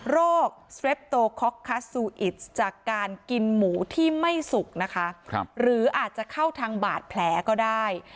โรคจากการกินหมูที่ไม่สุกนะคะครับหรืออาจจะเข้าทางบาดแผลก็ได้